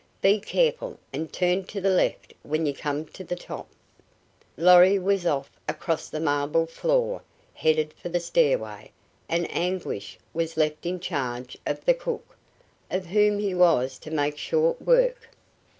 Be careful, and turn to the left when you come to the top." Lorry was off across the marble floor, headed for the stairway, and Anguish was left in charge of the cook, of whom he was to make short work.